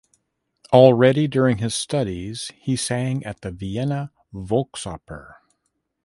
Already during his studies he sang at the Vienna Volksoper.